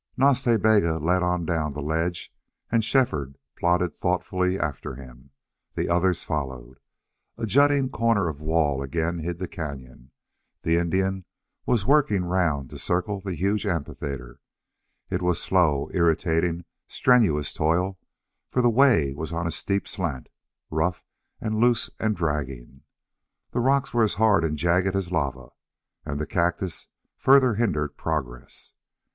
Nas Ta Bega led on down the ledge and Shefford plodded thoughtfully after him. The others followed. A jutting corner of wall again hid the cañon. The Indian was working round to circle the huge amphitheater. It was slow, irritating, strenuous toil, for the way was on a steep slant, rough and loose and dragging. The rocks were as hard and jagged as lava. And the cactus further hindered progress.